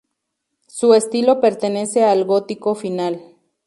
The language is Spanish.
Su estilo pertenece al gótico final.